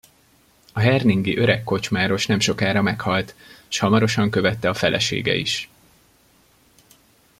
A herningi öreg kocsmáros nemsokára meghalt, s hamarosan követte a felesége is.